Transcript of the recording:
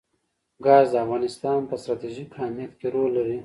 ګاز د افغانستان په ستراتیژیک اهمیت کې رول لري.